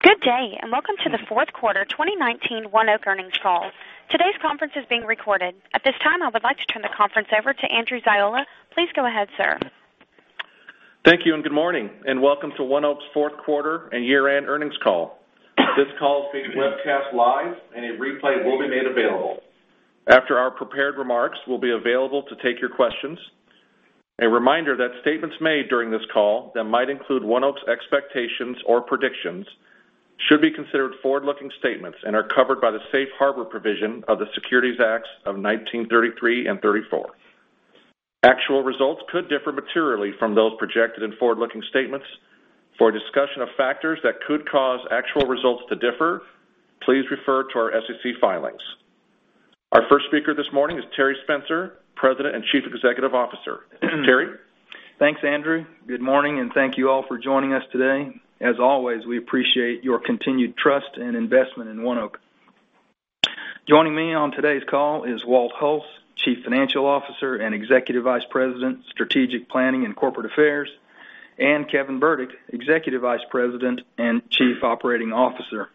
Good day. Welcome to the Fourth Quarter 2019 ONEOK Earnings Call. Today's conference is being recorded. At this time, I would like to turn the conference over to Andrew Ziola. Please go ahead, sir. Thank you, good morning, and welcome to ONEOK's Fourth Quarter and Year-End Earnings Call. This call is being webcast live, and a replay will be made available. After our prepared remarks, we'll be available to take your questions. A reminder that statements made during this call that might include ONEOK's expectations or predictions should be considered forward-looking statements and are covered by the safe harbor provision of the Securities Act of 1933 and '34. Actual results could differ materially from those projected in forward-looking statements. For a discussion of factors that could cause actual results to differ, please refer to our SEC filings. Our first speaker this morning is Terry Spencer, President and Chief Executive Officer. Terry? Thanks, Andrew. Good morning, thank you all for joining us today. As always, we appreciate your continued trust and investment in ONEOK. Joining me on today's call is Walt Hulse, Chief Financial Officer and Executive Vice President, Strategic Planning and Corporate Affairs, Kevin Burdick, Executive Vice President and Chief Operating Officer.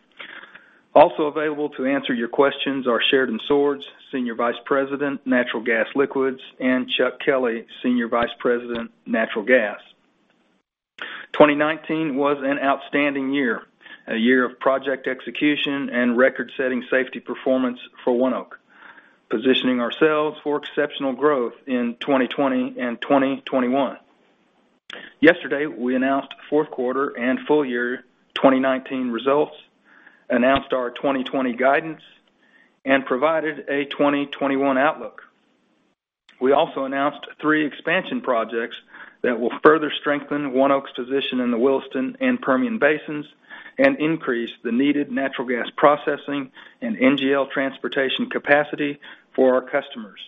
Also available to answer your questions are Sheridan Swords, Senior Vice President, Natural Gas Liquids, Charles Kelley, Senior Vice President, Natural Gas. 2019 was an outstanding year, a year of project execution and record-setting safety performance for ONEOK, positioning ourselves for exceptional growth in 2020 and 2021. Yesterday, we announced fourth quarter and full year 2019 results, announced our 2020 guidance, and provided a 2021 outlook. We also announced three expansion projects that will further strengthen ONEOK's position in the Williston and Permian basins and increase the needed natural gas processing and NGL transportation capacity for our customers.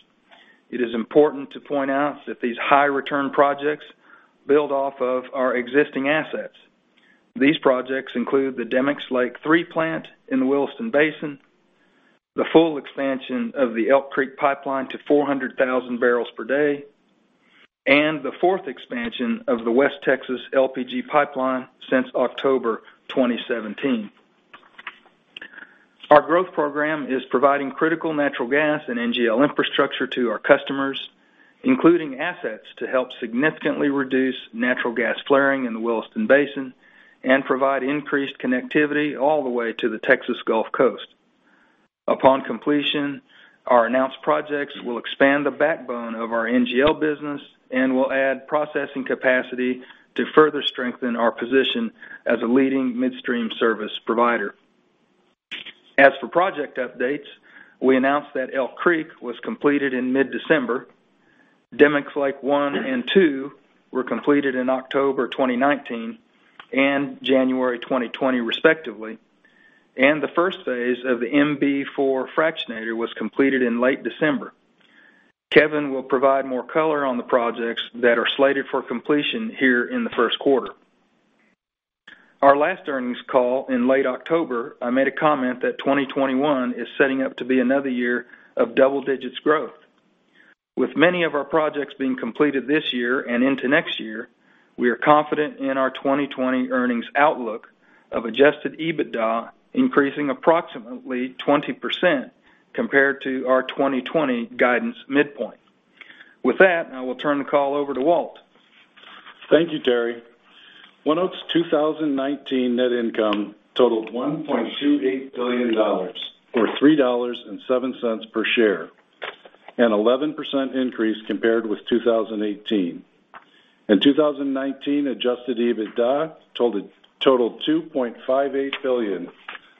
It is important to point out that these high-return projects build off of our existing assets. These projects include the Demicks Lake III plant in the Williston Basin, the full expansion of the Elk Creek Pipeline to 400,000 barrels per day, and the fourth expansion of the West Texas LPG Pipeline since October 2017. Our growth program is providing critical natural gas and NGL infrastructure to our customers, including assets to help significantly reduce natural gas flaring in the Williston Basin and provide increased connectivity all the way to the Texas Gulf Coast. Upon completion, our announced projects will expand the backbone of our NGL business and will add processing capacity to further strengthen our position as a leading midstream service provider. As for project updates, we announced that Elk Creek was completed in mid-December. Demicks Lake I and II were completed in October 2019 and January 2020, respectively. The first phase of the MB-4 fractionator was completed in late December. Kevin will provide more color on the projects that are slated for completion here in the first quarter. Our last earnings call in late October, I made a comment that 2021 is setting up to be another year of double-digits growth. With many of our projects being completed this year and into next year, we are confident in our 2020 earnings outlook of Adjusted EBITDA increasing approximately 20% compared to our 2020 guidance midpoint. With that, I will turn the call over to Walt. Thank you, Terry. ONEOK's 2019 net income totaled $1.28 billion, or $3.07 per share, an 11% increase compared with 2018. In 2019, Adjusted EBITDA totaled $2.58 billion,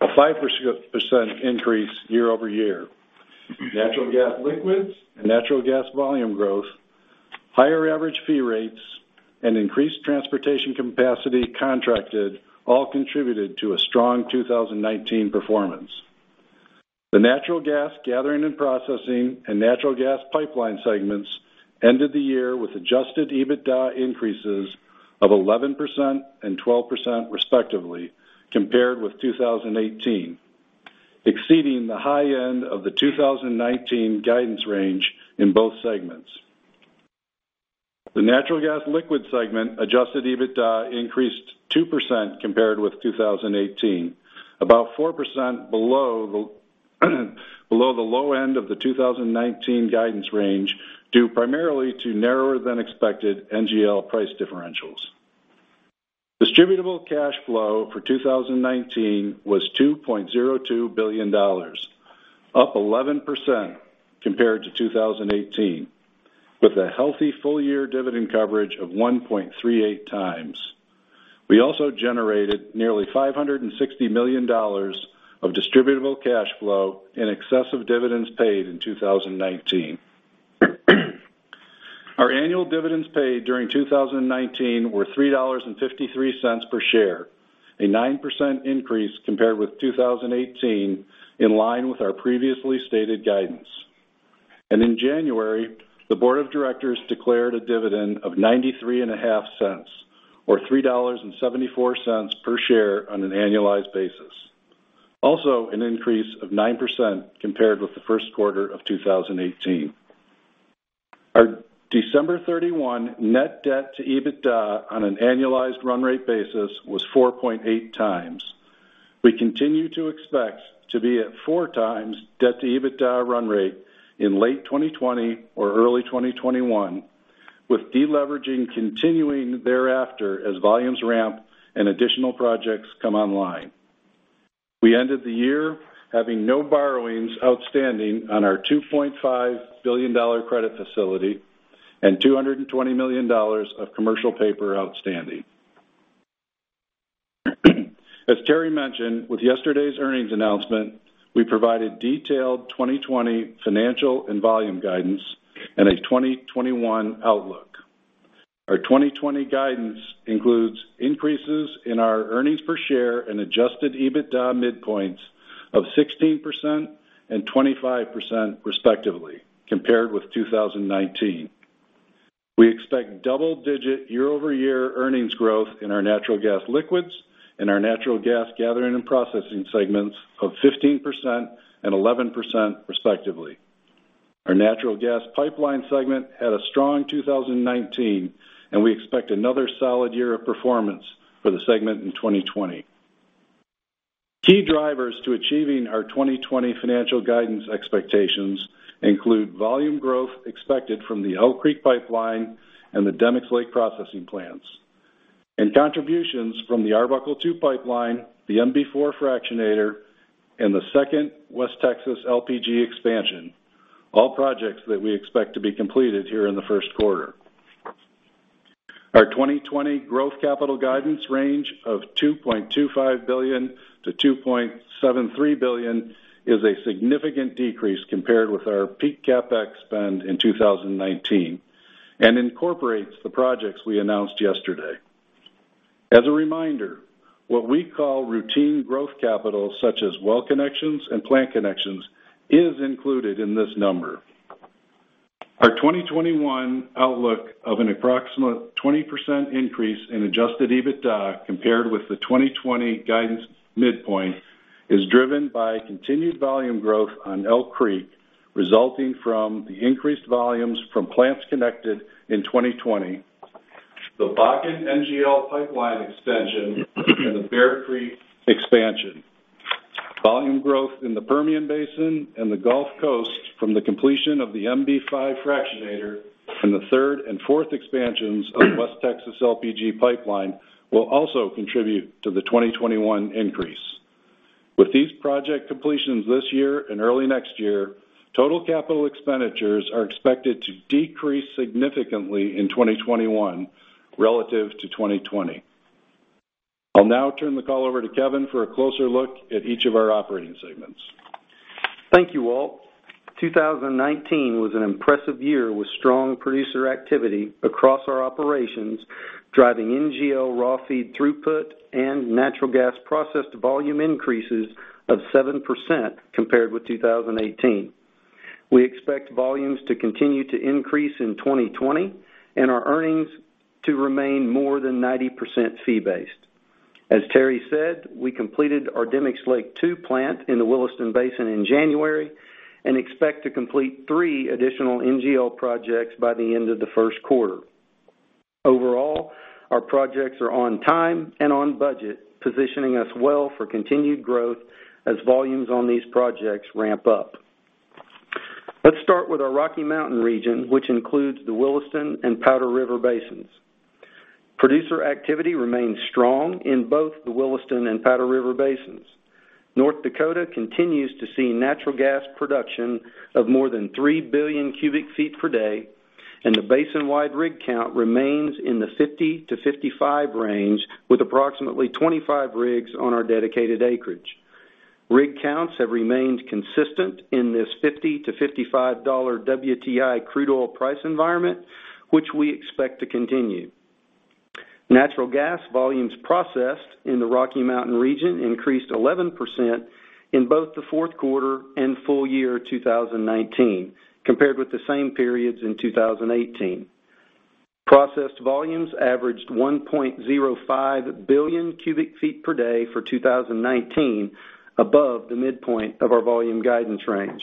a 5% increase year-over-year. Natural gas liquids and natural gas volume growth, higher average fee rates, and increased transportation capacity contracted all contributed to a strong 2019 performance. The Natural Gas Gathering and Processing and Natural Gas Pipeline segments ended the year with Adjusted EBITDA increases of 11% and 12%, respectively, compared with 2018, exceeding the high end of the 2019 guidance range in both segments. The Natural Gas Liquids segment Adjusted EBITDA increased 2% compared with 2018, about 4% below the low end of the 2019 guidance range, due primarily to narrower than expected NGL price differentials. Distributable Cash Flow for 2019 was $2.02 billion, up 11% compared to 2018, with a healthy full-year dividend coverage of 1.38 times. We also generated nearly $560 million of distributable cash flow in excess of dividends paid in 2019. Our annual dividends paid during 2019 were $3.53 per share, a 9% increase compared with 2018, in line with our previously stated guidance. In January, the board of directors declared a dividend of $0.935, or $3.74 per share on an annualized basis. Also, an increase of 9% compared with the first quarter of 2018. Our December 31 net debt to EBITDA on an annualized run rate basis was 4.8 times. We continue to expect to be at four times debt to EBITDA run rate in late 2020 or early 2021, with deleveraging continuing thereafter as volumes ramp and additional projects come online. We ended the year having no borrowings outstanding on our $2.5 billion credit facility and $220 million of commercial paper outstanding. As Terry Spencer mentioned, with yesterday's earnings announcement, we provided detailed 2020 financial and volume guidance and a 2021 outlook. Our 2020 guidance includes increases in our earnings per share and Adjusted EBITDA midpoints of 16% and 25%, respectively, compared with 2019. We expect double-digit year-over-year earnings growth in our Natural Gas Liquids and our Natural Gas Gathering and Processing segments of 15% and 11%, respectively. Our Natural Gas Pipeline segment had a strong 2019, and we expect another solid year of performance for the segment in 2020. Key drivers to achieving our 2020 financial guidance expectations include volume growth expected from the Elk Creek Pipeline and the Demicks Lake processing plants, and contributions from the Arbuckle II Pipeline, the MB-4 fractionator, and the second West Texas LPG expansion, all projects that we expect to be completed here in the first quarter. Our 2020 growth capital guidance range of $2.25 billion-$2.73 billion is a significant decrease compared with our peak CapEx spend in 2019 and incorporates the projects we announced yesterday. As a reminder, what we call routine growth capital, such as well connections and plant connections, is included in this number. Our 2021 outlook of an approximate 20% increase in Adjusted EBITDA compared with the 2020 guidance midpoint is driven by continued volume growth on Elk Creek, resulting from the increased volumes from plants connected in 2020, the Bakken NGL Pipeline extension, and the Bear Creek expansion. Volume growth in the Permian Basin and the Gulf Coast from the completion of the MB-5 fractionator and the third and fourth expansions of West Texas LPG Pipeline will also contribute to the 2021 increase. With these project completions this year and early next year, total capital expenditures are expected to decrease significantly in 2021 relative to 2020. I'll now turn the call over to Kevin for a closer look at each of our operating segments. Thank you, Walt. 2019 was an impressive year with strong producer activity across our operations, driving NGL raw feed throughput and natural gas processed volume increases of 7% compared with 2018. We expect volumes to continue to increase in 2020 and our earnings to remain more than 90% fee-based. As Terry said, we completed our Demicks Lake II plant in the Williston Basin in January and expect to complete three additional NGL projects by the end of the first quarter. Overall, our projects are on time and on budget, positioning us well for continued growth as volumes on these projects ramp up. Let's start with our Rocky Mountain region, which includes the Williston and Powder River Basins. Producer activity remains strong in both the Williston and Powder River Basins. North Dakota continues to see natural gas production of more than 3 billion cubic feet per day, and the basin-wide rig count remains in the 50-55 range, with approximately 25 rigs on our dedicated acreage. Rig counts have remained consistent in this $50-$55 WTI crude oil price environment, which we expect to continue. Natural gas volumes processed in the Rocky Mountain region increased 11% in both the fourth quarter and full year 2019 compared with the same periods in 2018. Processed volumes averaged 1.05 billion cubic feet per day for 2019, above the midpoint of our volume guidance range.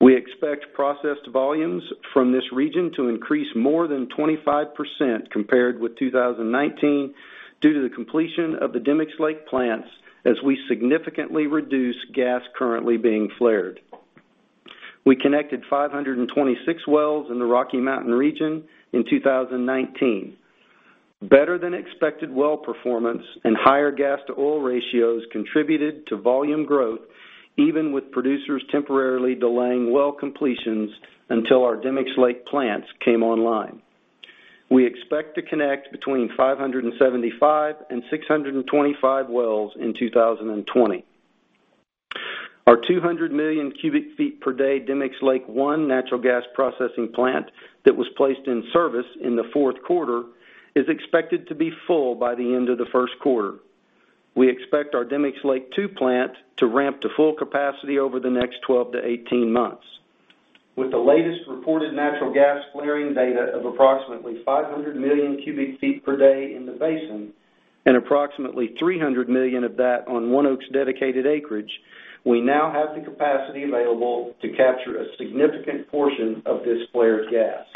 We expect processed volumes from this region to increase more than 25% compared with 2019 due to the completion of the Demicks Lake plants as we significantly reduce gas currently being flared. We connected 526 wells in the Rocky Mountain region in 2019. Better than expected well performance and higher gas-to-oil ratios contributed to volume growth even with producers temporarily delaying well completions until our Demicks Lake plants came online. We expect to connect between 575 and 625 wells in 2020. Our 200 million cubic feet per day Demicks Lake I natural gas processing plant that was placed in service in the fourth quarter is expected to be full by the end of the first quarter. We expect our Demicks Lake II plant to ramp to full capacity over the next 12-18 months. With the latest reported natural gas flaring data of approximately 500 million cubic feet per day in the basin, and approximately 300 million of that on ONEOK's dedicated acreage, we now have the capacity available to capture a significant portion of this flared gas.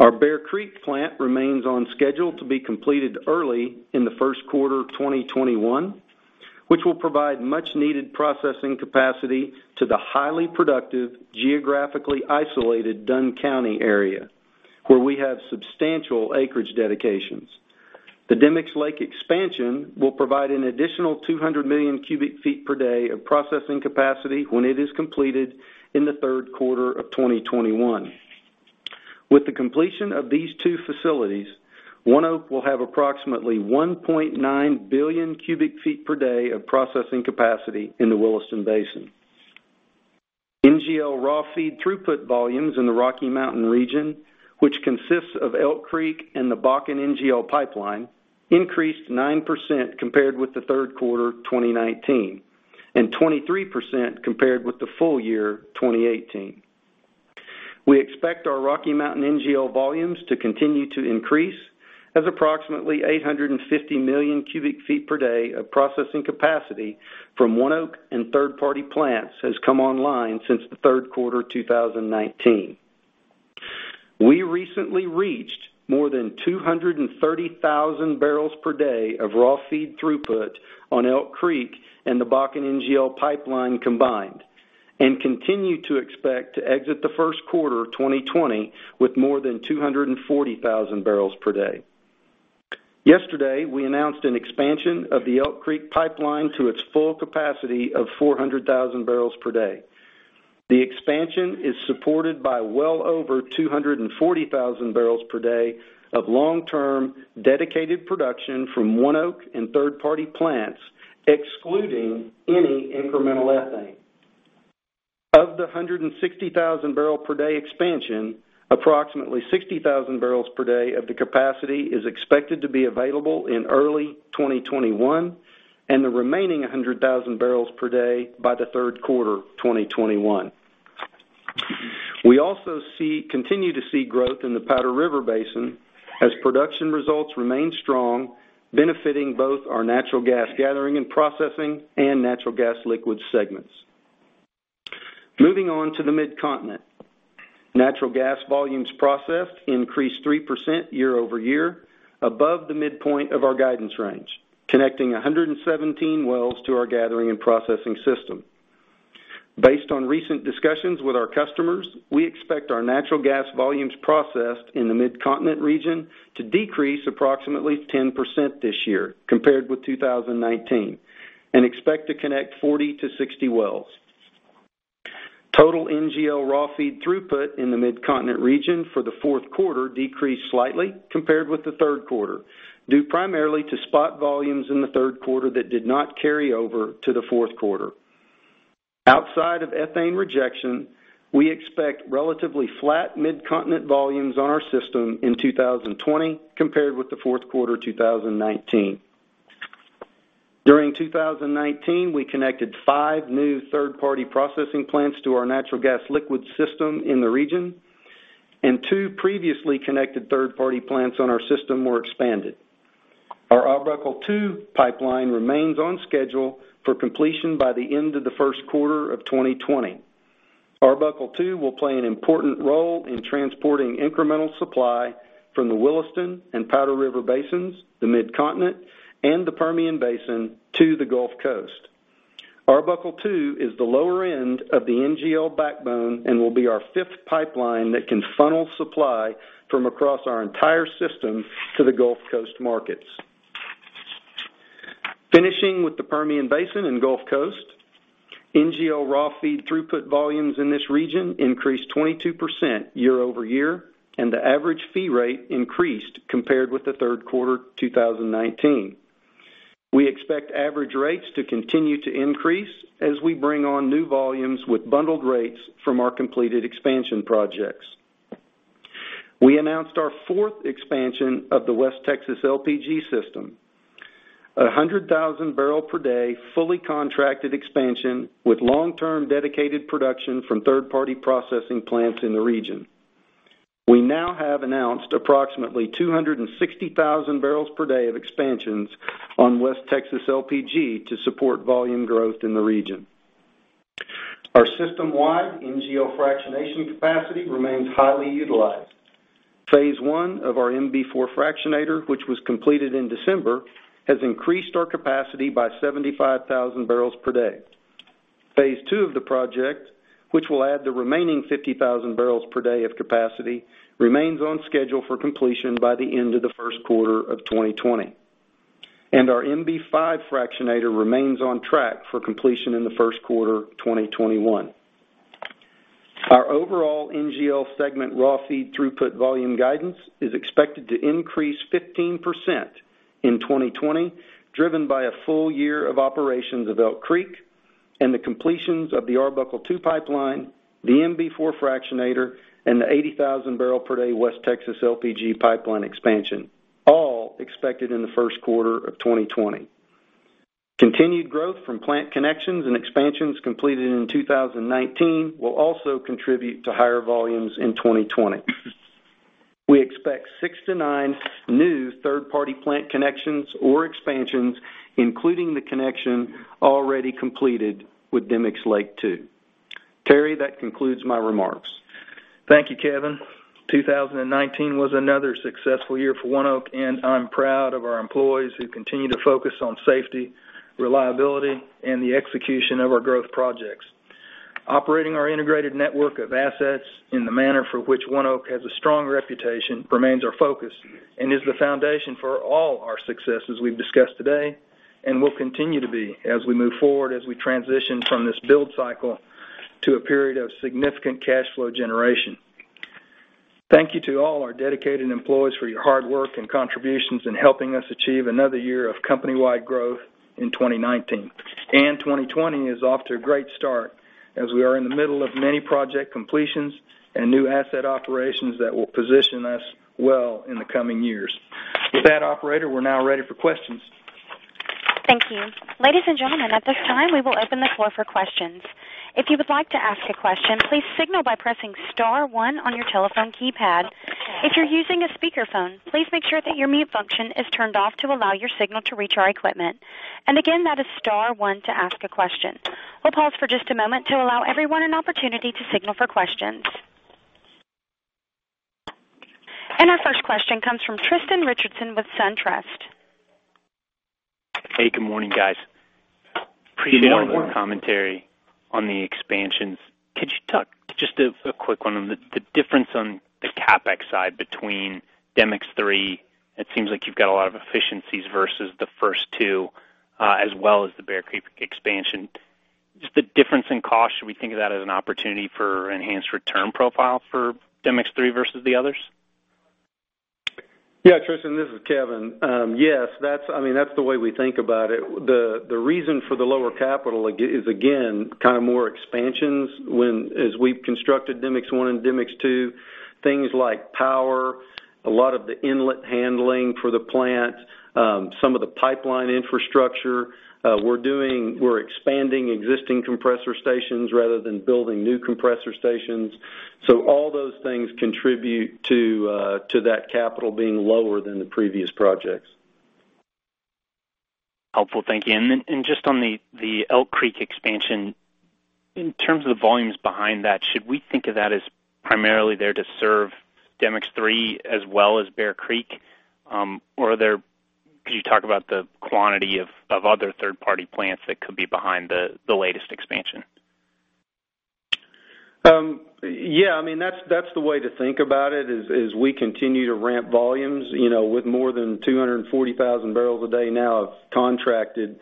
Our Bear Creek plant remains on schedule to be completed early in the first quarter 2021, which will provide much needed processing capacity to the highly productive, geographically isolated Dunn County area, where we have substantial acreage dedications. The Demicks Lake expansion will provide an additional 200 million cubic feet per day of processing capacity when it is completed in the third quarter of 2021. With the completion of these two facilities, ONEOK will have approximately 1.9 billion cubic feet per day of processing capacity in the Williston Basin. NGL raw feed throughput volumes in the Rocky Mountain region, which consists of Elk Creek and the Bakken NGL Pipeline, increased 9% compared with the third quarter 2019, and 23% compared with the full year 2018. We expect our Rocky Mountain NGL volumes to continue to increase as approximately 850 million cubic feet per day of processing capacity from ONEOK and third-party plants has come online since the third quarter 2019. We recently reached more than 230,000 barrels per day of raw feed throughput on Elk Creek and the Bakken NGL Pipeline combined, and continue to expect to exit the first quarter 2020 with more than 240,000 barrels per day. Yesterday, we announced an expansion of the Elk Creek Pipeline to its full capacity of 400,000 barrels per day. The expansion is supported by well over 240,000 barrels per day of long-term, dedicated production from ONEOK and third-party plants, excluding any incremental ethane. Of the 160,000 barrel per day expansion, approximately 60,000 barrels per day of the capacity is expected to be available in early 2021, and the remaining 100,000 barrels per day by the third quarter 2021. We also continue to see growth in the Powder River Basin as production results remain strong, benefiting both our Natural Gas Gathering and Processing and Natural Gas Liquids segments. Moving on to the Mid-Continent. Natural gas volumes processed increased 3% year-over-year above the midpoint of our guidance range, connecting 117 wells to our gathering and processing system. Based on recent discussions with our customers, we expect our natural gas volumes processed in the Mid-Continent region to decrease approximately 10% this year compared with 2019, and expect to connect 40-60 wells. Total NGL raw feed throughput in the Mid-Continent region for the fourth quarter decreased slightly compared with the third quarter, due primarily to spot volumes in the third quarter that did not carry over to the fourth quarter. Outside of ethane rejection, we expect relatively flat Mid-Continent volumes on our system in 2020 compared with the fourth quarter 2019. During 2019, we connected five new third-party processing plants to our natural gas liquids system in the region, and two previously connected third-party plants on our system were expanded. Our Arbuckle II Pipeline remains on schedule for completion by the end of the first quarter of 2020. Arbuckle II will play an important role in transporting incremental supply from the Williston and Powder River Basins, the Mid-Continent, and the Permian Basin to the Gulf Coast. Arbuckle II is the lower end of the NGL backbone and will be our fifth pipeline that can funnel supply from across our entire system to the Gulf Coast markets. Finishing with the Permian Basin and Gulf Coast, NGL raw feed throughput volumes in this region increased 22% year-over-year, and the average fee rate increased compared with the third quarter 2019. We expect average rates to continue to increase as we bring on new volumes with bundled rates from our completed expansion projects. We announced our fourth expansion of the West Texas LPG system, 100,000 barrel per day fully contracted expansion with long-term dedicated production from third-party processing plants in the region. We now have announced approximately 260,000 barrels per day of expansions on West Texas LPG to support volume growth in the region. Our system-wide NGL fractionation capacity remains highly utilized. Phase I of our MB-4 fractionator, which was completed in December, has increased our capacity by 75,000 barrels per day. Phase II of the project, which will add the remaining 50,000 barrels per day of capacity, remains on schedule for completion by the end of the first quarter of 2020. Our MB-5 fractionator remains on track for completion in the first quarter 2021. Our overall NGL segment raw feed throughput volume guidance is expected to increase 15% in 2020, driven by a full year of operations of Elk Creek and the completions of the Arbuckle II Pipeline, the MB-4 fractionator, and the 80,000 barrel per day West Texas LPG Pipeline expansion, all expected in the first quarter of 2020. Continued growth from plant connections and expansions completed in 2019 will also contribute to higher volumes in 2020. We expect 6-9 new third-party plant connections or expansions, including the connection already completed with Demicks Lake II. Terry, that concludes my remarks. Thank you, Kevin. 2019 was another successful year for ONEOK, and I'm proud of our employees who continue to focus on safety, reliability, and the execution of our growth projects. Operating our integrated network of assets in the manner for which ONEOK has a strong reputation remains our focus and is the foundation for all our successes we've discussed today and will continue to be as we move forward as we transition from this build cycle to a period of significant cash flow generation. Thank you to all our dedicated employees for your hard work and contributions in helping us achieve another year of company-wide growth in 2019. 2020 is off to a great start as we are in the middle of many project completions and new asset operations that will position us well in the coming years. With that operator, we're now ready for questions. Thank you. Ladies and gentlemen, at this time we will open the floor for questions. If you would like to ask a question, please signal by pressing star one on your telephone keypad. If you're using a speakerphone, please make sure that your mute function is turned off to allow your signal to reach our equipment. Again, that is star one to ask a question. We'll pause for just a moment to allow everyone an opportunity to signal for questions. Our first question comes from Tristan Richardson with SunTrust. Hey, good morning, guys. Good morning. Appreciate all the commentary on the expansions. Just a quick one on the difference on the CapEx side between DMX 3, it seems like you've got a lot of efficiencies versus the first two, as well as the Bear Creek expansion. Just the difference in cost, should we think of that as an opportunity for enhanced return profile for DMX 3 versus the others? Yeah, Tristan, this is Kevin. Yes, that's the way we think about it. The reason for the lower capital is again, kind of more expansions as we've constructed Demicks Lake I and Demicks Lake II, things like power, a lot of the inlet handling for the plant, some of the pipeline infrastructure. We're expanding existing compressor stations rather than building new compressor stations. All those things contribute to that capital being lower than the previous projects. Helpful. Thank you. Then just on the Elk Creek expansion, in terms of the volumes behind that, should we think of that as primarily there to serve Demicks Lake III as well as Bear Creek? Could you talk about the quantity of other third-party plants that could be behind the latest expansion? Yeah, that's the way to think about it is, as we continue to ramp volumes, with more than 240,000 barrels a day now contracted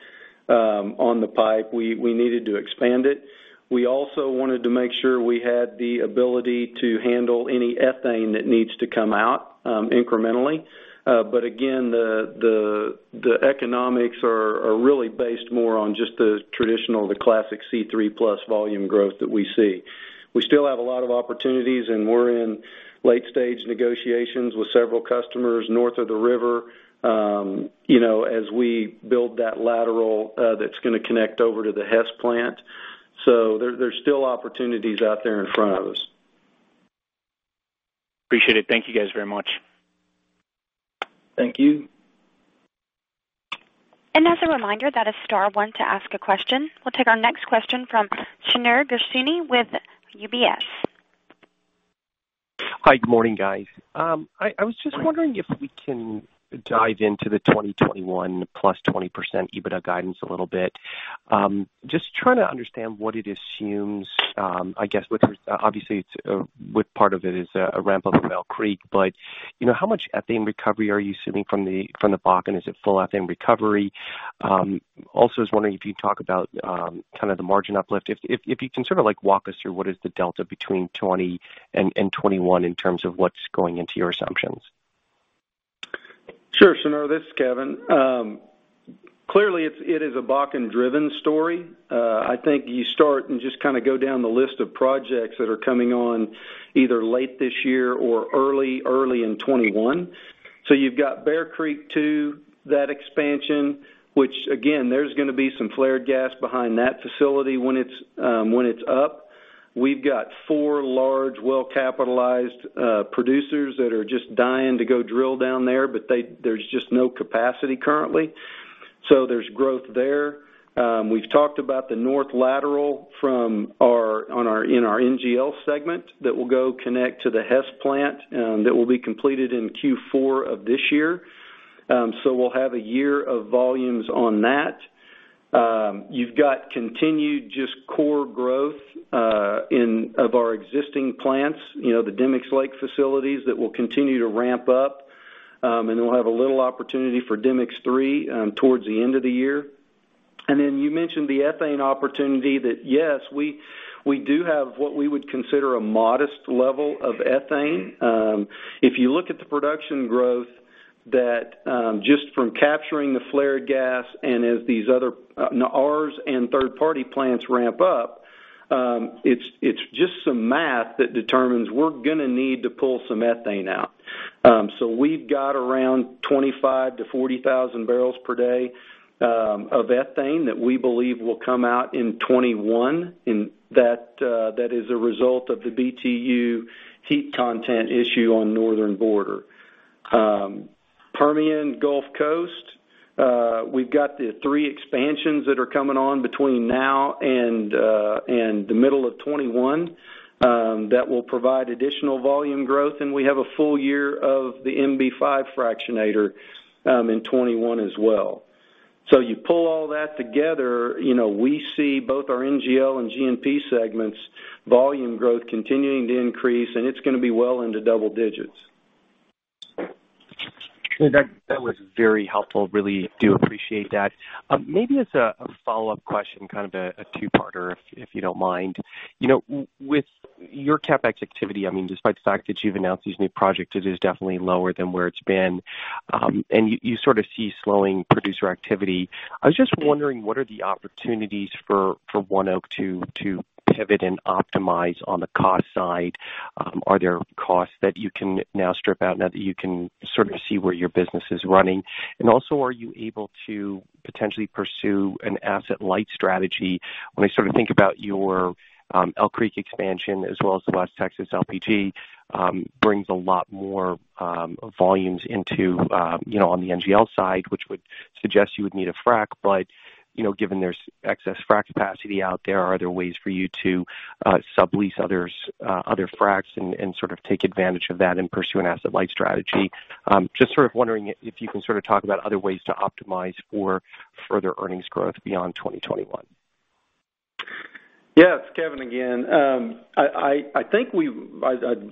on the pipe, we needed to expand it. We also wanted to make sure we had the ability to handle any ethane that needs to come out incrementally. Again, the economics are really based more on just the traditional, the classic C3+ volume growth that we see. We still have a lot of opportunities, and we're in late stage negotiations with several customers north of the river as we build that lateral that's going to connect over to the Hess plant. There's still opportunities out there in front of us. Appreciate it. Thank you guys very much. Thank you. As a reminder, that is star one to ask a question. We'll take our next question from Shneur Gershuni with UBS. Hi. Good morning, guys. I was just wondering if we can dive into the 2021 plus 20% EBITDA guidance a little bit. Just trying to understand what it assumes. I guess, obviously, part of it is a ramp-up of Elk Creek, but how much ethane recovery are you assuming from the Bakken? Is it full ethane recovery? I was wondering if you could talk about kind of the margin uplift. If you can sort of walk us through what is the delta between '20 and '21 in terms of what's going into your assumptions. Sure, Shneur. This is Kevin. Clearly, it is a Bakken-driven story. I think you start and just kind of go down the list of projects that are coming on either late this year or early in 2021. You've got Bear Creek II, that expansion, which again, there's going to be some flared gas behind that facility when it's up. We've got four large well-capitalized producers that are just dying to go drill down there, but there's just no capacity currently. There's growth there. We've talked about the north lateral in our NGL segment that will go connect to the Hess plant, that will be completed in Q4 of this year. We'll have a year of volumes on that. You've got continued just core growth of our existing plants, the Demicks Lake facilities that will continue to ramp up, and we'll have a little opportunity for Demicks Lake III towards the end of the year. You mentioned the ethane opportunity that yes, we do have what we would consider a modest level of ethane. If you look at the production growth that just from capturing the flared gas and as these other R's and third-party plants ramp up, it's just some math that determines we're going to need to pull some ethane out. We've got around 25,000-40,000 barrels per day of ethane that we believe will come out in 2021, and that is a result of the BTU heat content issue on Northern Border. Permian Gulf Coast, we've got the three expansions that are coming on between now and the middle of 2021 that will provide additional volume growth, and we have a full year of the MB-5 fractionator in 2021 as well. You pull all that together, we see both our NGL and G&P segments volume growth continuing to increase, and it's going to be well into double digits. That was very helpful. Really do appreciate that. Maybe as a follow-up question, kind of a two-parter, if you don't mind. With your CapEx activity, despite the fact that you've announced these new projects, it is definitely lower than where it's been. You sort of see slowing producer activity. I was just wondering, what are the opportunities for ONEOK to pivot and optimize on the cost side? Are there costs that you can now strip out now that you can sort of see where your business is running? Also, are you able to potentially pursue an asset-light strategy when I think about your Elk Creek expansion as well as the West Texas LPG brings a lot more volumes on the NGL side, which would suggest you would need a frack. Given there's excess frack capacity out there, are there ways for you to sublease other fracks and sort of take advantage of that and pursue an asset-light strategy? Just sort of wondering if you can sort of talk about other ways to optimize for further earnings growth beyond 2021. Yes, Kevin again. I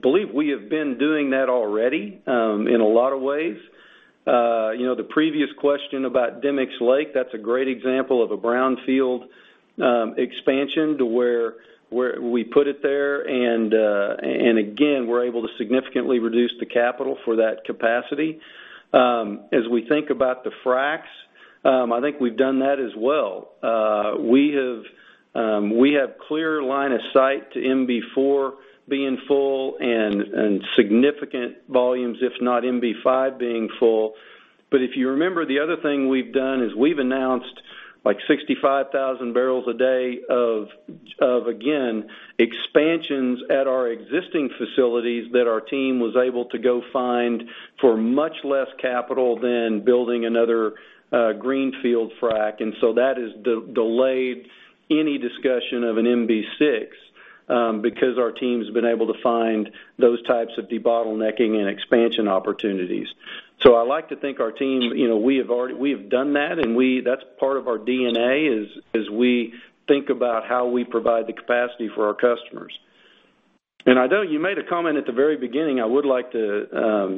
believe we have been doing that already in a lot of ways. The previous question about Demicks Lake, that's a great example of a brownfield expansion to where we put it there. Again, we're able to significantly reduce the capital for that capacity. As we think about the fracks, I think we've done that as well. We have clear line of sight to MB4 being full and significant volumes, if not MB5 being full. If you remember, the other thing we've done is we've announced like 65,000 barrels a day of, again, expansions at our existing facilities that our team was able to go find for much less capital than building another greenfield frack. That has delayed any discussion of an MB6, because our team's been able to find those types of debottlenecking and expansion opportunities. I like to think our team, we have done that, and that's part of our DNA as we think about how we provide the capacity for our customers. I know you made a comment at the very beginning, I would like to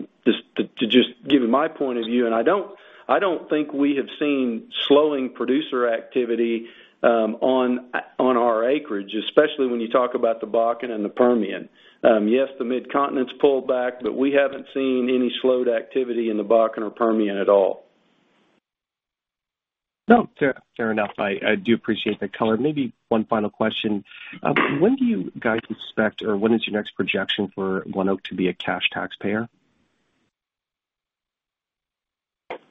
just give you my point of view, and I don't think we have seen slowing producer activity on our acreage, especially when you talk about the Bakken and the Permian. Yes, the Mid-Continent's pulled back, but we haven't seen any slowed activity in the Bakken or Permian at all. No, fair enough. I do appreciate the color. Maybe one final question. When do you guys expect, or when is your next projection for ONEOK to be a cash taxpayer?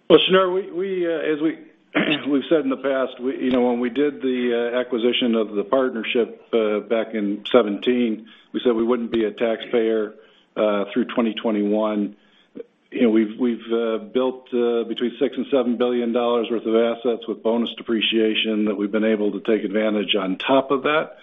Well, Shneur, as we've said in the past, when we did the acquisition of the partnership back in 2017, we said we wouldn't be a taxpayer through 2021. We've built between $6 billion and $7 billion worth of assets with bonus depreciation that we've been able to take advantage on top of that.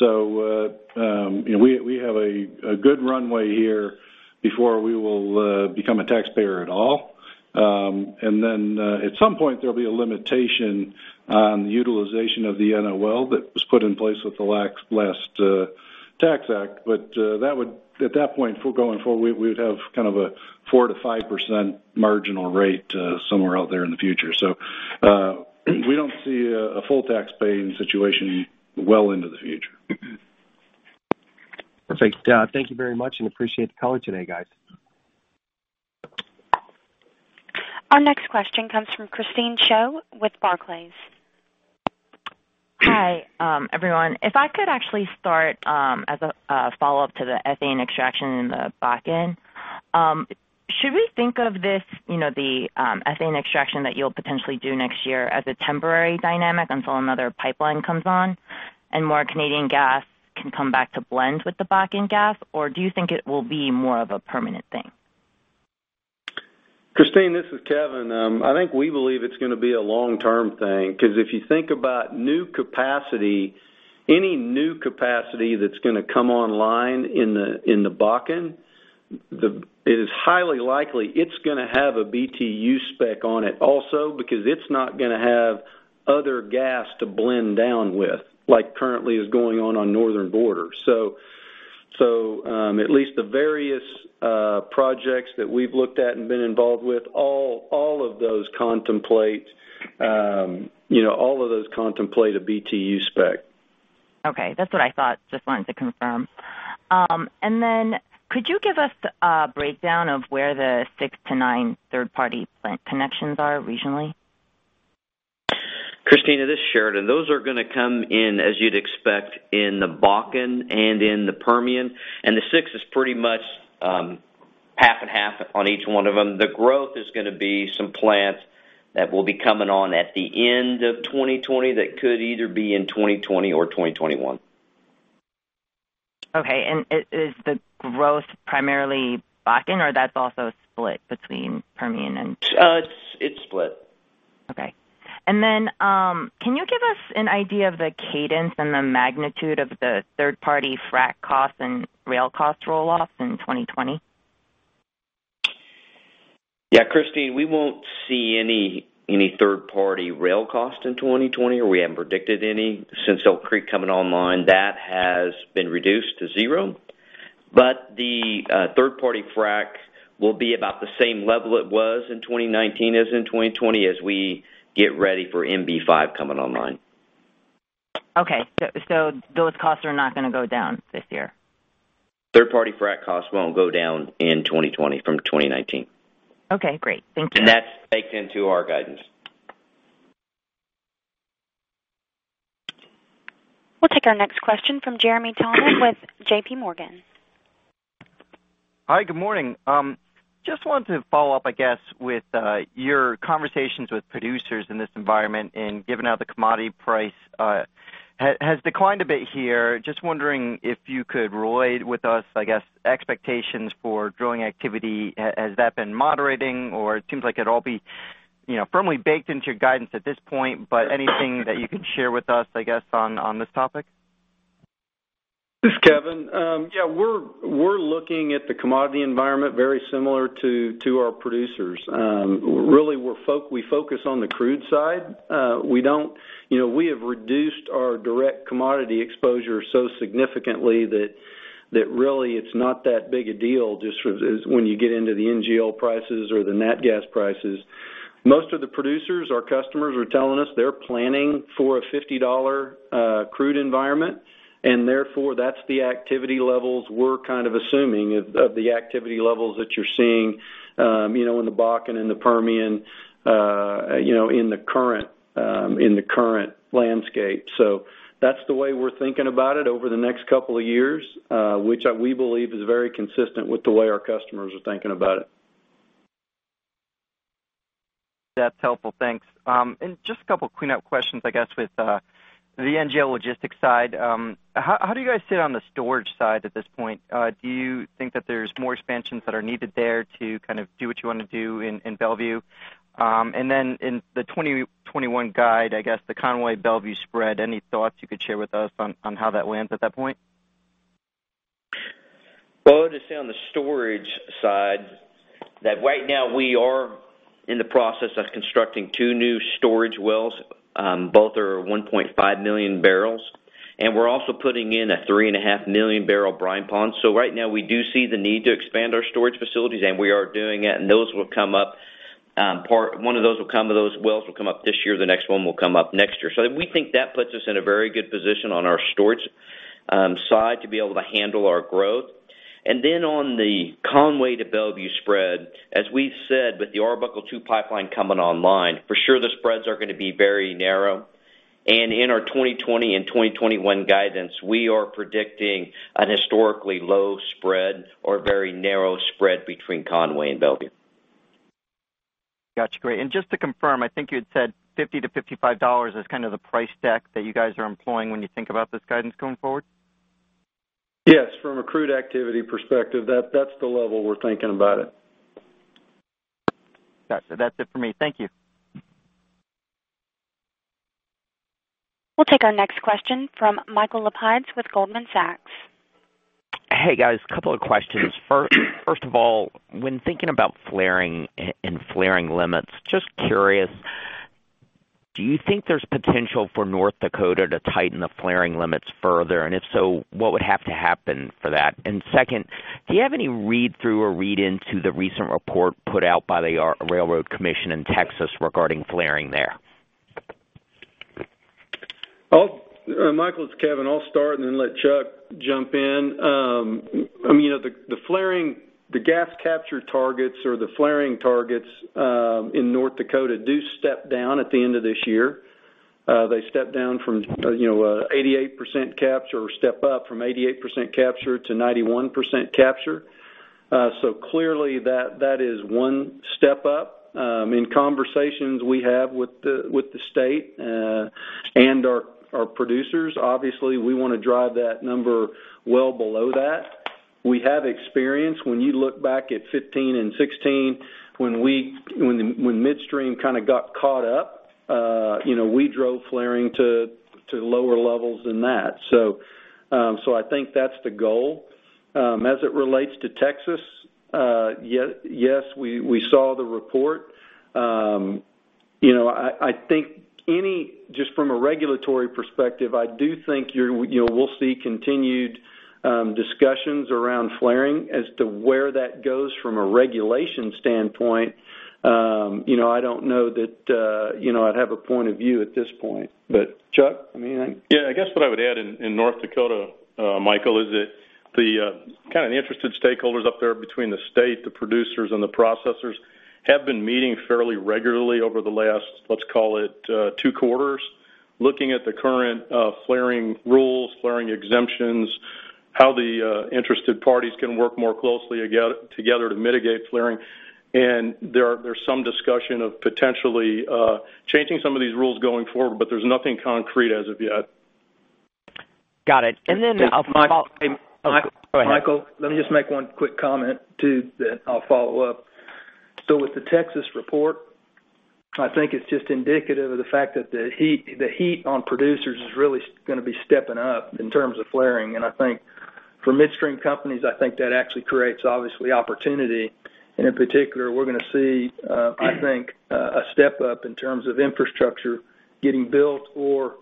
We have a good runway here before we will become a taxpayer at all. At some point, there'll be a limitation on the utilization of the NOL that was put in place with the last Tax Act. At that point, going forward, we would have kind of a 4%-5% marginal rate somewhere out there in the future. We don't see a full taxpaying situation well into the future. Perfect. Thank you very much and appreciate the color today, guys. Our next question comes from Christine Cho with Barclays. Hi, everyone. If I could actually start as a follow-up to the ethane extraction in the Bakken. Should we think of this, the ethane extraction that you'll potentially do next year as a temporary dynamic until another pipeline comes on and more Canadian gas can come back to blend with the Bakken gas, or do you think it will be more of a permanent thing? Christine, this is Kevin. I think we believe it's going to be a long-term thing, because if you think about new capacity, any new capacity that's going to come online in the Bakken, it is highly likely it's going to have a BTU spec on it also because it's not going to have other gas to blend down with, like currently is going on on Northern Border. At least the various projects that we've looked at and been involved with, all of those contemplate a BTU spec. Okay. That's what I thought. Just wanted to confirm. Could you give us a breakdown of where the 6-9 third-party connections are regionally? Christine, this is Sheridan. Those are going to come in, as you'd expect, in the Bakken and in the Permian. The six is pretty much half and half on each one of them. The growth is going to be some plants that will be coming on at the end of 2020, that could either be in 2020 or 2021. Okay. Is the growth primarily Bakken, or that's also split between Permian and- It's split. Okay. Can you give us an idea of the cadence and the magnitude of the third-party frack cost and rail cost roll-offs in 2020? Yeah, Christine, we won't see any third-party rail cost in 2020. We haven't predicted any since Elk Creek coming online. That has been reduced to zero. The third-party frack will be about the same level it was in 2019 as in 2020 as we get ready for MB-5 coming online. Okay. Those costs are not going to go down this year? Third-party frack costs won't go down in 2020 from 2019. Okay, great. Thank you. That's baked into our guidance. We'll take our next question from Jeremy Tonet with JPMorgan. Hi, good morning. Just wanted to follow up, I guess, with your conversations with producers in this environment, given how the commodity price has declined a bit here, just wondering if you could relate with us, I guess, expectations for drilling activity. Has that been moderating? It seems like it'd all be firmly baked into your guidance at this point. Anything that you can share with us, I guess, on this topic? This is Kevin. Yeah, we're looking at the commodity environment very similar to our producers. Really, we focus on the crude side. We have reduced our direct commodity exposure so significantly that really it's not that big a deal, just when you get into the NGL prices or the nat gas prices. Most of the producers, our customers, are telling us they're planning for a $50 crude environment. That's the activity levels we're kind of assuming of the activity levels that you're seeing in the Bakken and the Permian in the current landscape. That's the way we're thinking about it over the next couple of years, which we believe is very consistent with the way our customers are thinking about it. That's helpful. Thanks. Just a couple clean-up questions, I guess, with the NGL logistics side. How do you guys sit on the storage side at this point? Do you think that there's more expansions that are needed there to kind of do what you want to do in Belvieu? Then in the 2021 guide, I guess the Conway-Mont Belvieu spread, any thoughts you could share with us on how that lands at that point? Well, I'd just say on the storage side, that right now we are in the process of constructing two new storage wells. Both are 1.5 million barrels. We're also putting in a 3.5 million barrel brine pond. Right now we do see the need to expand our storage facilities, we are doing it. One of those wells will come up this year, the next one will come up next year. We think that puts us in a very good position on our storage side to be able to handle our growth. On the Conway-Mont Belvieu spread, as we've said, with the Arbuckle II Pipeline coming online, for sure the spreads are going to be very narrow. In our 2020 and 2021 guidance, we are predicting an historically low spread or very narrow spread between Conway and Mont Belvieu. Got you. Great. Just to confirm, I think you had said $50-$55 is kind of the price deck that you guys are employing when you think about this guidance going forward? From a crude activity perspective, that's the level we're thinking about it. Got you. That's it for me. Thank you. We'll take our next question from Michael Lapides with Goldman Sachs. Hey, guys, couple of questions. First of all, when thinking about flaring and flaring limits, just curious, do you think there's potential for North Dakota to tighten the flaring limits further? If so, what would have to happen for that? Second, do you have any read-through or read-in to the recent report put out by the Railroad Commission in Texas regarding flaring there? Michael, it's Kevin. I'll start and then let Chuck jump in. The gas capture targets or the flaring targets in North Dakota do step down at the end of this year. They step down from 88% capture, or step up from 88% capture to 91% capture. Clearly that is one step up. In conversations we have with the state and our producers, obviously we want to drive that number well below that. We have experience. When you look back at 2015 and 2016, when midstream kind of got caught up, we drove flaring to lower levels than that. I think that's the goal. As it relates to Texas, yes, we saw the report. I think just from a regulatory perspective, I do think we'll see continued discussions around flaring. As to where that goes from a regulation standpoint, I don't know that I'd have a point of view at this point. Chuck? I guess what I would add in North Dakota, Michael, is that the interested stakeholders up there between the state, the producers, and the processors have been meeting fairly regularly over the last, let's call it, two quarters, looking at the current flaring rules, flaring exemptions, how the interested parties can work more closely together to mitigate flaring. There's some discussion of potentially changing some of these rules going forward, but there's nothing concrete as of yet. Got it. Michael? Oh, go ahead. Michael, let me just make one quick comment too. I'll follow up. With the Texas report, I think it's just indicative of the fact that the heat on producers is really going to be stepping up in terms of flaring. I think for midstream companies, I think that actually creates, obviously, opportunity. In particular, we're going to see, I think, a step up in terms of infrastructure getting built or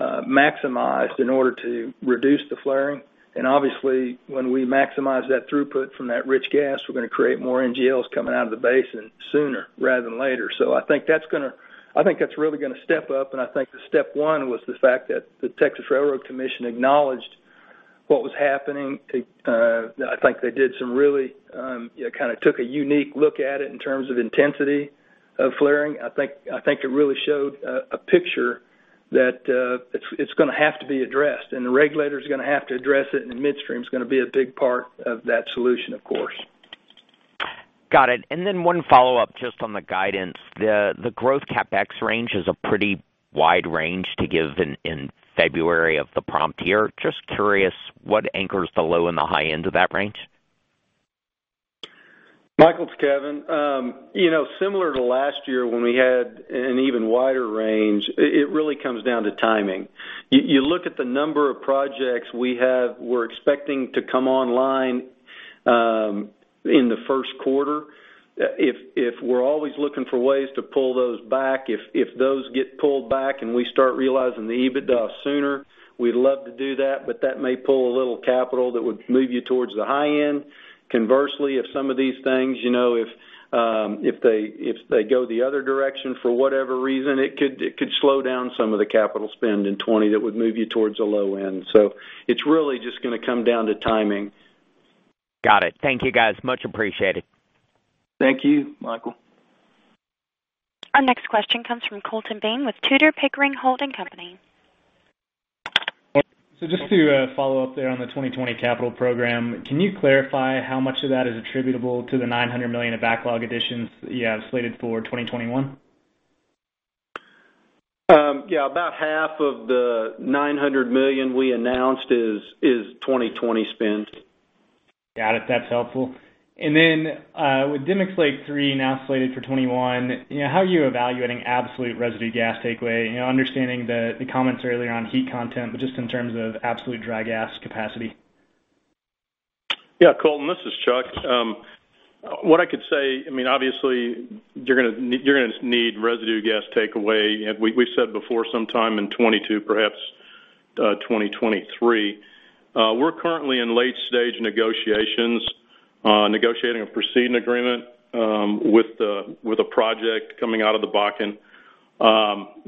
maximized in order to reduce the flaring. Obviously, when we maximize that throughput from that rich gas, we're going to create more NGLs coming out of the basin sooner rather than later. I think that's really going to step up, and I think the step one was the fact that the Railroad Commission of Texas acknowledged what was happening. I think they did some really took a unique look at it in terms of intensity of flaring. I think it really showed a picture that it's going to have to be addressed, and the regulator's going to have to address it, and midstream's going to be a big part of that solution, of course. Got it. One follow-up just on the guidance. The growth CapEx range is a pretty wide range to give in February of the prompt year. Just curious, what anchors the low and the high end of that range? Michael, it's Kevin. Similar to last year when we had an even wider range, it really comes down to timing. You look at the number of projects we have, we're expecting to come online in the first quarter. We're always looking for ways to pull those back. If those get pulled back and we start realizing the EBITDA sooner, we'd love to do that, but that may pull a little capital that would move you towards the high end. Conversely, if some of these things, if they go the other direction for whatever reason, it could slow down some of the capital spend in 2020 that would move you towards the low end. It's really just going to come down to timing. Got it. Thank you guys. Much appreciated. Thank you, Michael. Our next question comes from Colton Bean with Tudor, Pickering, Holt & Co. Just to follow up there on the 2020 capital program, can you clarify how much of that is attributable to the $900 million of backlog additions that you have slated for 2021? Yeah. About half of the $900 million we announced is 2020 spend. Got it. That's helpful. With Demicks Lake III now slated for 2021, how are you evaluating absolute residue gas takeaway? Understanding the comments earlier on heat content, just in terms of absolute dry gas capacity. Yeah, Colton, this is Chuck. What I could say, obviously you're going to need residue gas takeaway. We've said before, sometime in 2022, perhaps 2023. We're currently in late stage negotiations, negotiating a proceeding agreement with a project coming out of the Bakken.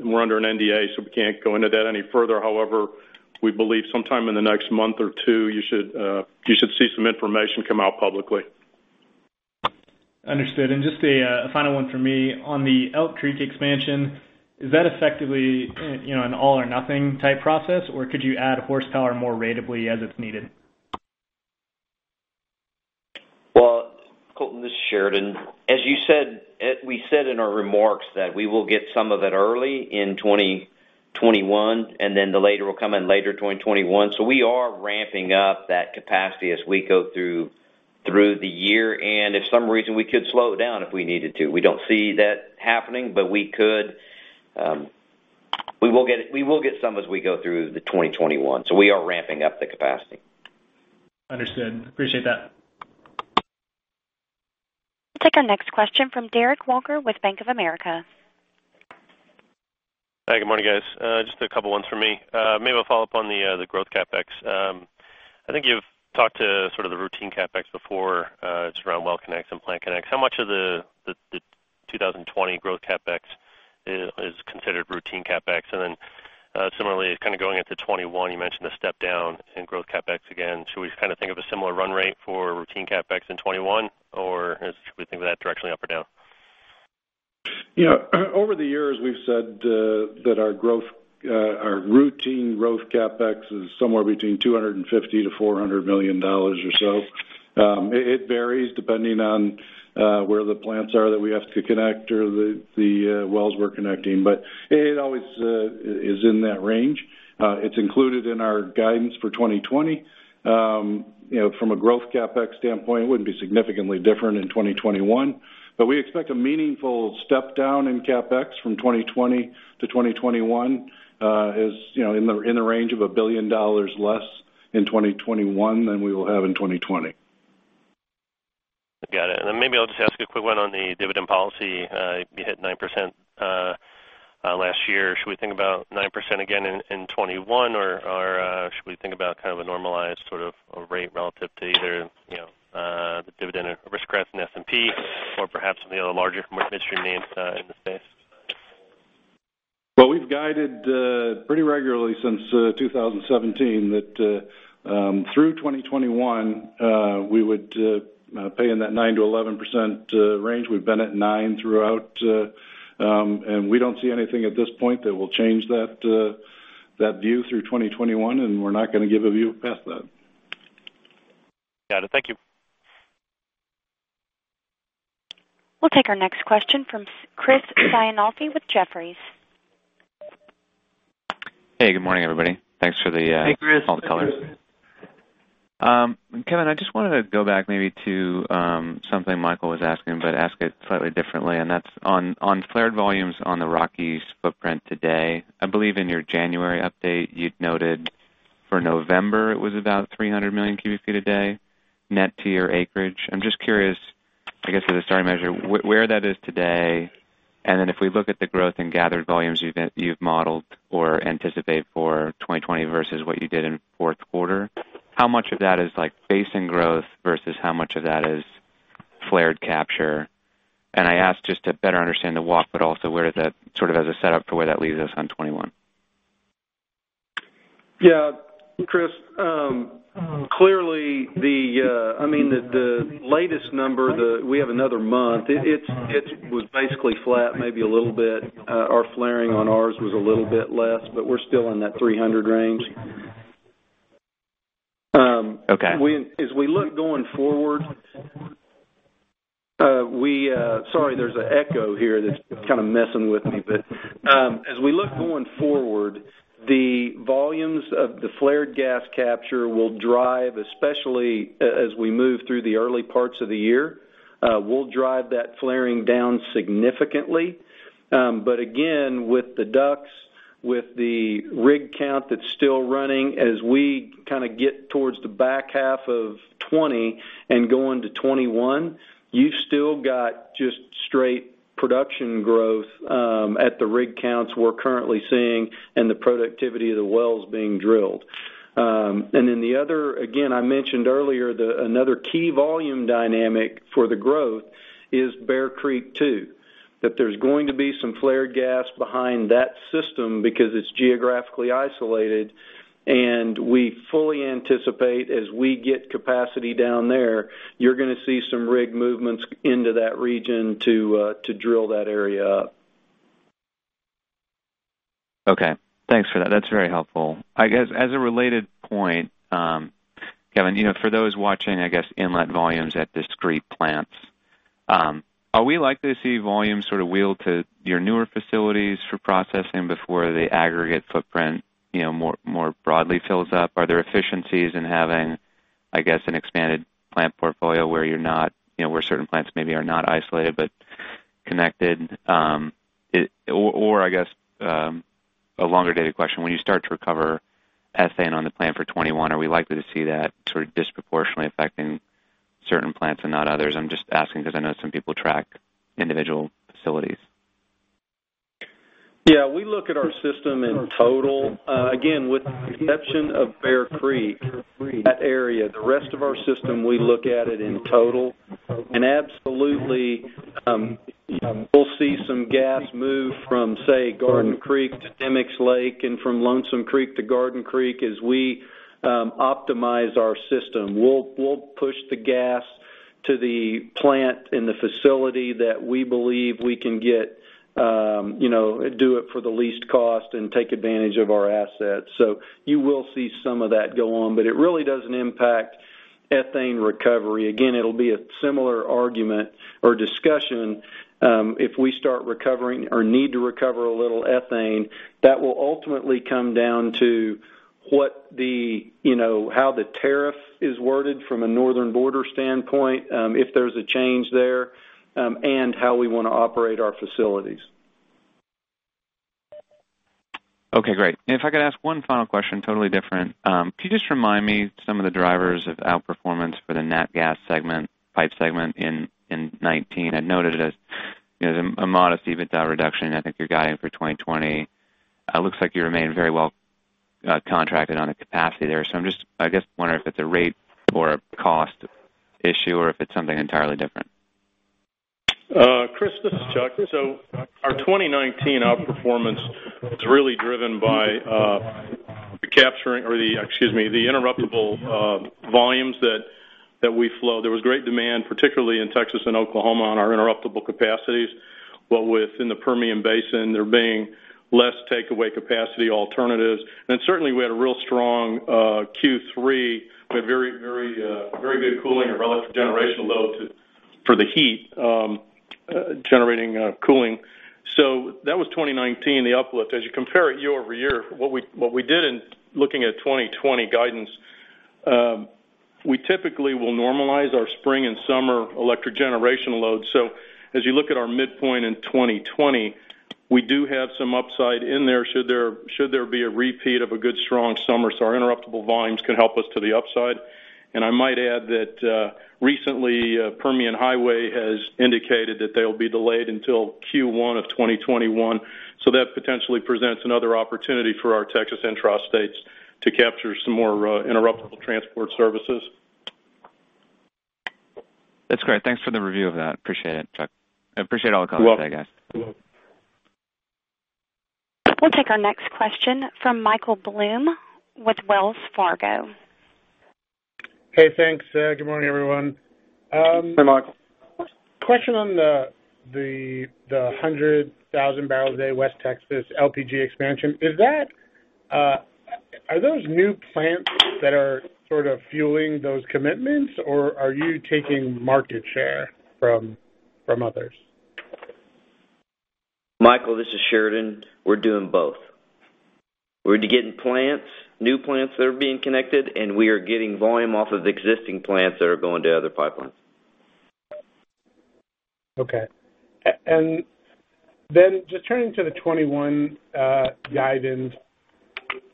We're under an NDA, so we can't go into that any further. However, we believe sometime in the next month or two, you should see some information come out publicly. Understood. Just a final one from me. On the Elk Creek expansion, is that effectively an all or nothing type process, or could you add horsepower more ratably as it's needed? Well, Colton, this is Sheridan. As we said in our remarks, that we will get some of it early in 2021, and then the later will come in later 2021. We are ramping up that capacity as we go through the year. If for some reason we could slow it down if we needed to. We don't see that happening, but we could. We will get some as we go through the 2021. We are ramping up the capacity. Understood. Appreciate that. We'll take our next question from Derek Walker with Bank of America. Hi, good morning, guys. Just a couple ones for me. Maybe we'll follow up on the growth CapEx. I think you've talked to sort of the routine CapEx before. It's around well connects and plant connects. How much of the 2020 growth CapEx is considered routine CapEx? Similarly, kind of going into 2021, you mentioned a step down in growth CapEx again. Should we kind of think of a similar run rate for routine CapEx in 2021, or should we think of that directionally up or down? Over the years, we've said that our routine growth CapEx is somewhere between $250 million-$400 million or so. It varies depending on where the plants are that we have to connect or the wells we're connecting, but it always is in that range. It's included in our guidance for 2020. From a growth CapEx standpoint, it wouldn't be significantly different in 2021. We expect a meaningful step down in CapEx from 2020 to 2021, in the range of $1 billion less in 2021 than we will have in 2020. Got it. Maybe I'll just ask a quick one on the dividend policy. You hit 9% last year. Should we think about 9% again in 2021, or should we think about kind of a normalized sort of rate relative to either the dividend risk graph in the S&P or perhaps some of the other larger midstream names in the space? We've guided pretty regularly since 2017 that through 2021, we would pay in that 9%-11% range. We've been at nine throughout, and we don't see anything at this point that will change that view through 2021, and we're not going to give a view past that. Got it. Thank you. We'll take our next question from Chris Ciancaglini with Jefferies. Hey, good morning, everybody. Hey, Chris. Thanks for the colors. Kevin, I just wanted to go back maybe to something Michael was asking, but ask it slightly differently, and that's on flared volumes on the Rockies footprint today. I believe in your January update, you'd noted for November it was about 300 million cubic feet a day, net tier acreage. I'm just curious, I guess, as a starting measure, where that is today, and then if we look at the growth in gathered volumes you've modeled or anticipate for 2020 versus what you did in fourth quarter, how much of that is basin growth versus how much of that is flared capture? I ask just to better understand the walk, but also where that sort of as a setup for where that leaves us on 2021. Yeah. Chris, clearly, the latest number, we have another month. It was basically flat, maybe a little bit. Our flaring on ours was a little bit less, but we're still in that 300 range. Okay. Sorry, there's an echo here that's kind of messing with me, but as we look going forward, the volumes of the flared gas capture will drive, especially as we move through the early parts of the year. We'll drive that flaring down significantly. Again, with the DUCs, with the rig count that's still running, as we kind of get towards the back half of 2020 and go into 2021, you've still got just straight production growth at the rig counts we're currently seeing and the productivity of the wells being drilled. Then the other, again, I mentioned earlier, another key volume dynamic for the growth is Bear Creek II. That there's going to be some flared gas behind that system because it's geographically isolated, and we fully anticipate as we get capacity down there, you're going to see some rig movements into that region to drill that area up. Okay. Thanks for that. That's very helpful. I guess, as a related point, Kevin, for those watching, I guess inlet volumes at these Creek plants. Are we likely to see volumes sort of wheel to your newer facilities for processing before the aggregate footprint more broadly fills up? Are there efficiencies in having, I guess, an expanded plant portfolio where certain plants maybe are not isolated but connected? I guess, a longer data question. When you start to recover ethane on the plant for 2021, are we likely to see that sort of disproportionately affecting certain plants and not others? I'm just asking because I know some people track individual facilities. We look at our system in total. Again, with the exception of Bear Creek, that area, the rest of our system, we look at it in total. Absolutely, we'll see some gas move from, say, Garden Creek to Demicks Lake and from Lonesome Creek to Garden Creek as we optimize our system. We'll push the gas to the plant in the facility that we believe we can do it for the least cost and take advantage of our assets. You will see some of that go on, but it really doesn't impact ethane recovery. Again, it'll be a similar argument or discussion if we start recovering or need to recover a little ethane, that will ultimately come down to how the tariff is worded from a Northern Border Pipeline standpoint, if there's a change there, and how we want to operate our facilities. If I could ask one final question, totally different. Could you just remind me some of the drivers of outperformance for the Natural Gas Pipeline segment in 2019? I noted it as a modest EBITDA reduction. I think you're guiding for 2020. It looks like you remain very well contracted on the capacity there. I'm just, I guess, wondering if it's a rate or a cost issue or if it's something entirely different. Chris, this is Chuck. Our 2019 outperformance was really driven by capturing the interruptible volumes that we flow. There was great demand, particularly in Texas and Oklahoma, on our interruptible capacities. What with in the Permian Basin, there being less takeaway capacity alternatives. Certainly, we had a real strong Q3 with very good cooling of electric generation load for the heat generating cooling. That was 2019, the uplift. As you compare it year-over-year, what we did in looking at 2020 guidance, we typically will normalize our spring and summer electric generation load. As you look at our midpoint in 2020, we do have some upside in there should there be a repeat of a good, strong summer. Our interruptible volumes can help us to the upside. I might add that recently, Permian Highway has indicated that they'll be delayed until Q1 2021. That potentially presents another opportunity for our Texas intrastates to capture some more interruptible transport services. That's great. Thanks for the review of that. Appreciate it, Chuck. I appreciate all the comments today, guys. You're welcome. We'll take our next question from Michael Blum with Wells Fargo. Hey, thanks. Good morning, everyone. Hey, Michael. Question on the 100,000 barrels a day West Texas LPG expansion. Are those new plants that are sort of fueling those commitments, or are you taking market share from others? Michael, this is Sheridan. We're doing both. We're getting new plants that are being connected, and we are getting volume off of existing plants that are going to other pipelines. Okay. Then just turning to the 2021 guidance,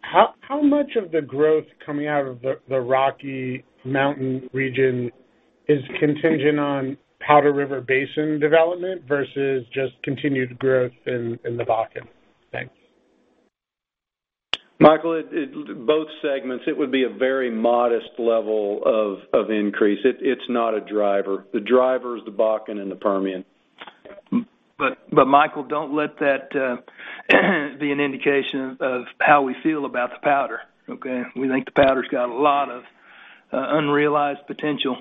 how much of the growth coming out of the Rocky Mountain region is contingent on Powder River Basin development versus just continued growth in the Bakken? Thanks. Michael, both segments, it would be a very modest level of increase. It is not a driver. The driver is the Bakken and the Permian. Michael, don't let that be an indication of how we feel about the Powder. Okay. We think the Powder's got a lot of unrealized potential.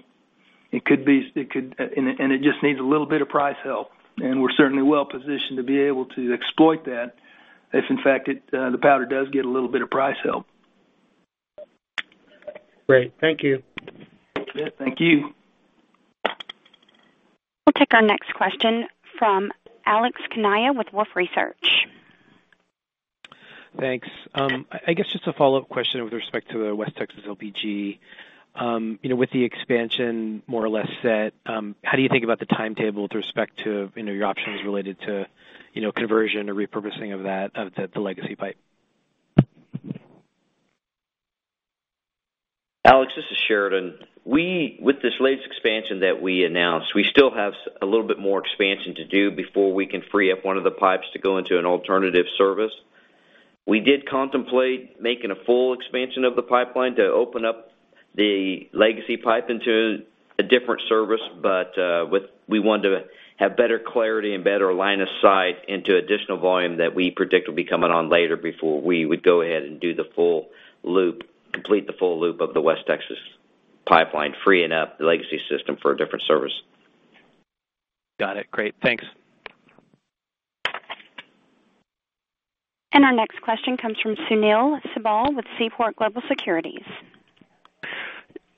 It just needs a little bit of price help, and we're certainly well-positioned to be able to exploit that if in fact, the Powder does get a little bit of price help. Great. Thank you. You bet. Thank you. We'll take our next question from Alex Kania with Wolfe Research. Thanks. I guess just a follow-up question with respect to the West Texas LPG. With the expansion more or less set, how do you think about the timetable with respect to your options related to conversion or repurposing of the legacy pipe? Alex, this is Sheridan. With this latest expansion that we announced, we still have a little bit more expansion to do before we can free up one of the pipes to go into an alternative service. We did contemplate making a full expansion of the pipeline to open up the legacy pipe into a different service, but we wanted to have better clarity and better line of sight into additional volume that we predict will be coming on later before we would go ahead and complete the full loop of the West Texas pipeline, freeing up the legacy system for a different service. Got it. Great. Thanks. Our next question comes from Sunil Sibal with Seaport Global Securities.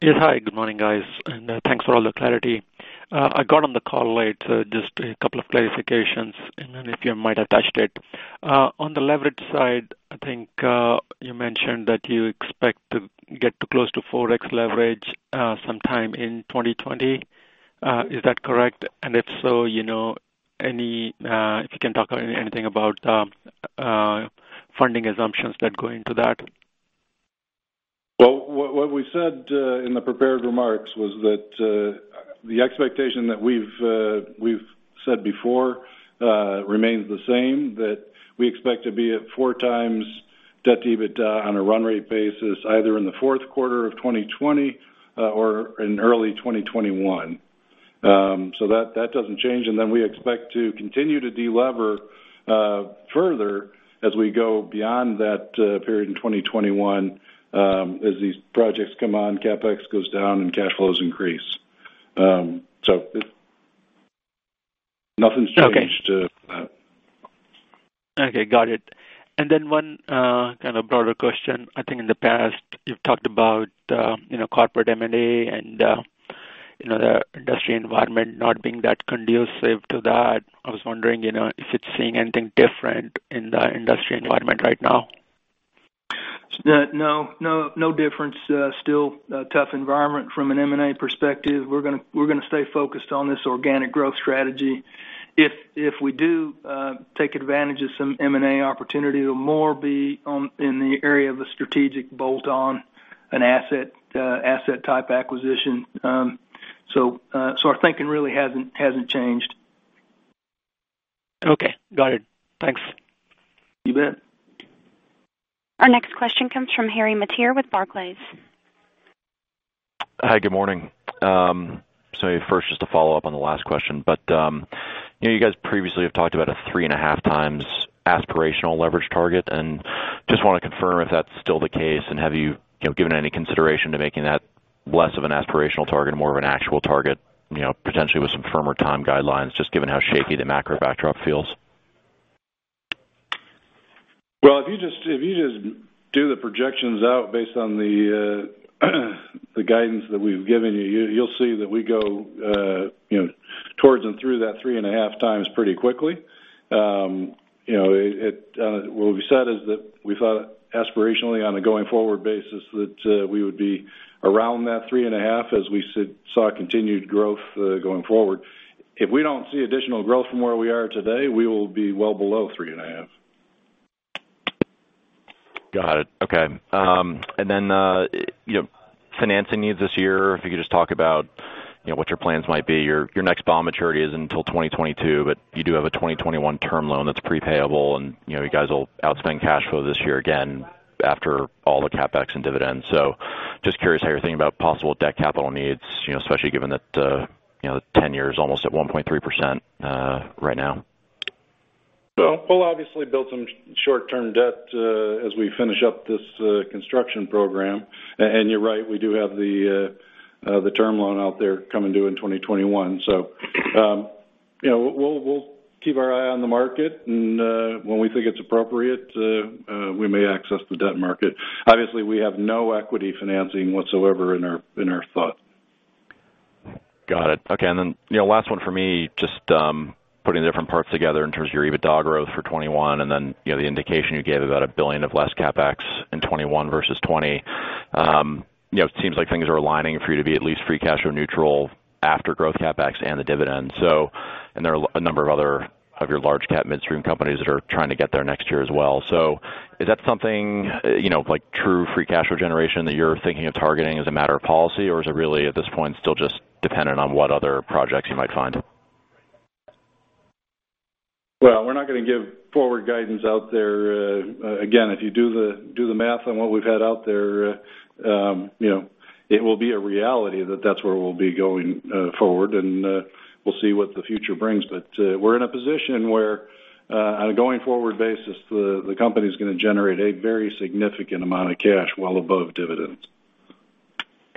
Yes. Hi, good morning, guys. Thanks for all the clarity. I got on the call late, just two clarifications and then if you might have touched it. On the leverage side, I think you mentioned that you expect to get to close to 4x leverage sometime in 2020. Is that correct? If so, if you can talk anything about funding assumptions that go into that? Well, what we said in the prepared remarks was that the expectation that we've said before remains the same, that we expect to be at four times debt to EBITDA on a run rate basis, either in the fourth quarter of 2020 or in early 2021. That doesn't change. We expect to continue to de-lever further as we go beyond that period in 2021, as these projects come on, CapEx goes down and cash flows increase. Nothing's changed. Okay. Got it. One kind of broader question. I think in the past, you've talked about corporate M&A and the industry environment not being that conducive to that. I was wondering if it's seeing anything different in the industry environment right now? No difference. Still a tough environment from an M&A perspective. We're going to stay focused on this organic growth strategy. If we do take advantage of some M&A opportunity, it'll more be in the area of a strategic bolt-on, an asset type acquisition. Our thinking really hasn't changed. Okay, got it. Thanks. You bet. Our next question comes from Harry Mateer with Barclays. Hi. Good morning. First, just to follow up on the last question, you guys previously have talked about a three and a half times aspirational leverage target, just want to confirm if that's still the case, have you given any consideration to making that less of an aspirational target and more of an actual target, potentially with some firmer time guidelines, just given how shaky the macro backdrop feels? Well, if you just do the projections out based on the guidance that we've given you'll see that we go towards and through that 3.5x pretty quickly. What we said is that we thought aspirationally on a going-forward basis that we would be around that 3.5x as we saw continued growth going forward. If we don't see additional growth from where we are today, we will be well below 3.5x. Got it. Okay. Financing needs this year, if you could just talk about what your plans might be. Your next bond maturity isn't until 2022, but you do have a 2021 term loan that's pre-payable and you guys will outspend cash flow this year again after all the CapEx and dividends. Just curious how you're thinking about possible debt capital needs, especially given that the 10-year is almost at 1.3% right now. Well, we'll obviously build some short-term debt as we finish up this construction program. You're right, we do have the term loan out there coming due in 2021. We'll keep our eye on the market, and when we think it's appropriate, we may access the debt market. Obviously, we have no equity financing whatsoever in our thought. Got it. Okay. Last one for me, just putting different parts together in terms of your EBITDA growth for 2021, and then the indication you gave about $1 billion of less CapEx in 2021 versus 2020. It seems like things are aligning for you to be at least free cash or neutral after growth CapEx and the dividend. There are a number of other of your large cap midstream companies that are trying to get there next year as well. Is that something like true free cash flow generation that you're thinking of targeting as a matter of policy, or is it really, at this point, still just dependent on what other projects you might find? Well, we're not going to give forward guidance out there. Again, if you do the math on what we've had out there, it will be a reality that that's where we'll be going forward. We'll see what the future brings. We're in a position where on a going forward basis, the company's going to generate a very significant amount of cash well above dividends.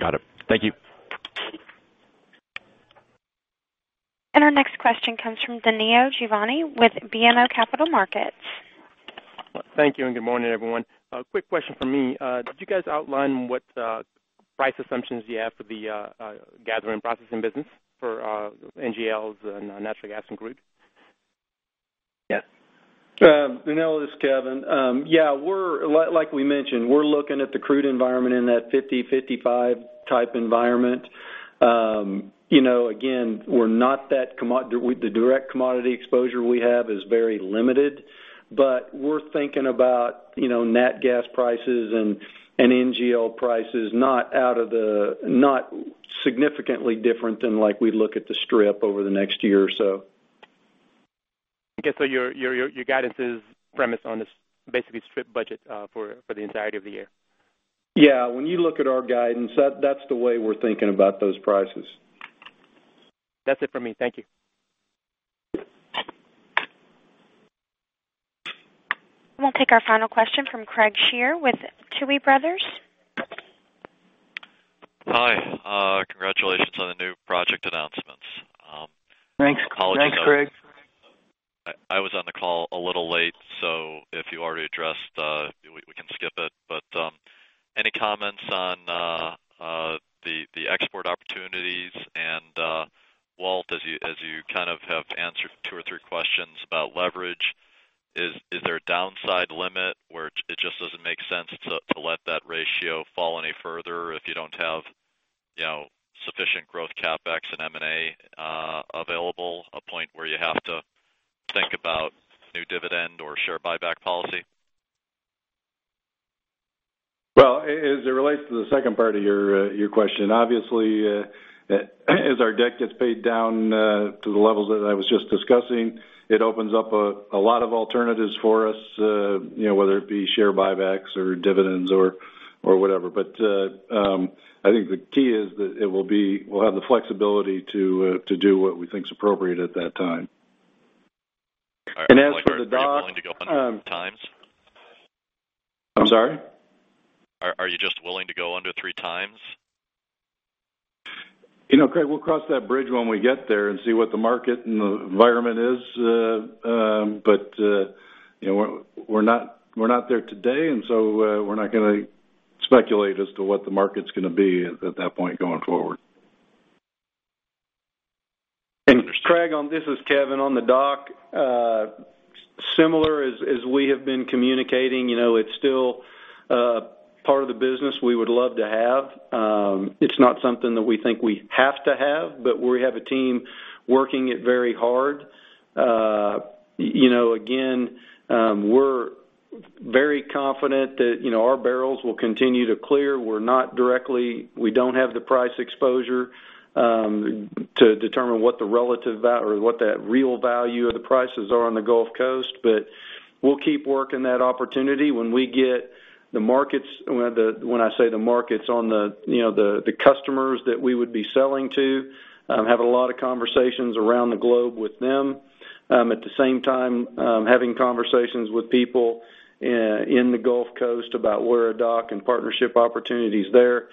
Got it. Thank you. Our next question comes from Danilo Juvane with BMO Capital Markets. Thank you. Good morning, everyone. A quick question from me. Did you guys outline what price assumptions you have for the gathering processing business for NGLs and natural gas and crude? Yeah. Danilo, this is Kevin. Yeah, like we mentioned, we're looking at the crude environment in that 50, 55 type environment. Again, the direct commodity exposure we have is very limited. We're thinking about net gas prices and NGL prices not significantly different than like we look at the strip over the next year or so. Okay. Your guidance is premised on this basically strip budget for the entirety of the year? Yeah. When you look at our guidance, that's the way we're thinking about those prices. That's it for me. Thank you. We'll take our final question from Craig Shere with Tuohy Brothers. Hi. Congratulations on the new project announcements. Thanks. Thanks, Craig. I was on the call a little late, so if you already addressed, we can skip it. Any comments on the export opportunities? Walt, as you kind of have answered two or three questions about leverage, is there a downside limit where it just doesn't make sense to let that ratio fall any further if you don't have sufficient growth CapEx and M&A available, a point where you have to think about new dividend or share buyback policy? Well, as it relates to the second part of your question, obviously, as our debt gets paid down to the levels that I was just discussing, it opens up a lot of alternatives for us, whether it be share buybacks or dividends or whatever. I think the key is that we'll have the flexibility to do what we think is appropriate at that time. Are you willing to go under three times? I'm sorry? Are you just willing to go under three times? Craig, we'll cross that bridge when we get there and see what the market and the environment is. We're not there today. We're not going to speculate as to what the market's going to be at that point going forward. Interesting. Craig, this is Kevin. On the dock, similar as we have been communicating, it's still part of the business we would love to have. It's not something that we think we have to have, but we have a team working it very hard. Again, we're very confident that our barrels will continue to clear. We don't have the price exposure to determine what the relative value or what that real value of the prices are on the Gulf Coast. We'll keep working that opportunity when we get the markets, when I say the markets, the customers that we would be selling to. Have a lot of conversations around the globe with them. At the same time, having conversations with people in the Gulf Coast about where a dock and partnership opportunity is there.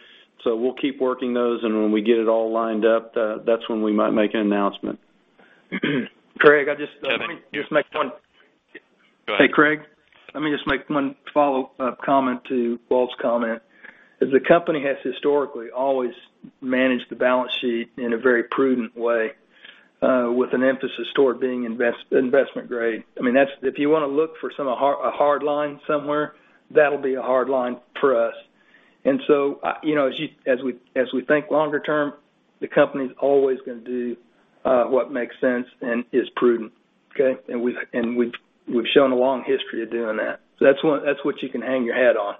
We'll keep working those, and when we get it all lined up, that's when we might make an announcement. Craig, let me just make one. Go ahead. Hey, Craig. Let me just make one follow-up comment to Walt's comment. As the company has historically always managed the balance sheet in a very prudent way with an emphasis toward being investment grade. If you want to look for a hard line somewhere, that'll be a hard line for us. As we think longer term, the company's always going to do what makes sense and is prudent. Okay? We've shown a long history of doing that. That's what you can hang your hat on.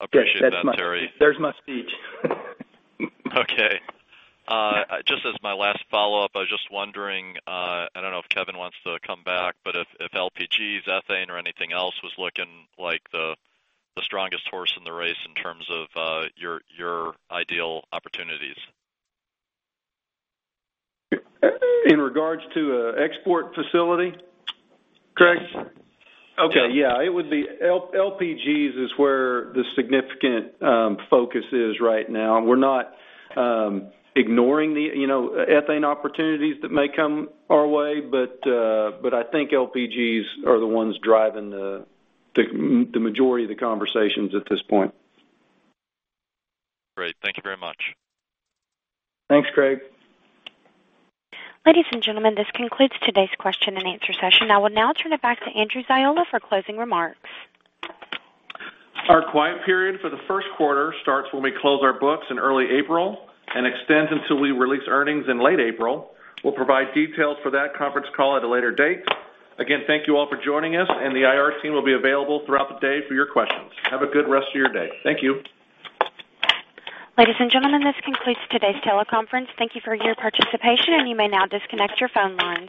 Appreciate that, Terry. There's my speech. Okay. Just as my last follow-up, I was just wondering, I don't know if Kevin wants to come back, but if LPGs, ethane or anything else was looking like the strongest horse in the race in terms of your ideal opportunities. In regards to an export facility? Craig? Okay. Yeah. It would be LPGs is where the significant focus is right now. We're not ignoring the ethane opportunities that may come our way, but I think LPGs are the ones driving the majority of the conversations at this point. Great. Thank you very much. Thanks, Craig. Ladies and gentlemen, this concludes today's question and answer session. I will now turn it back to Andrew Ziola for closing remarks. Our quiet period for the first quarter starts when we close our books in early April and extends until we release earnings in late April. We will provide details for that conference call at a later date. Again, thank you all for joining us, and the IR team will be available throughout the day for your questions. Have a good rest of your day. Thank you. Ladies and gentlemen, this concludes today's teleconference. Thank you for your participation, and you may now disconnect your phone lines.